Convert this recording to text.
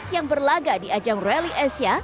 yang berlagak di ajang raya indonesia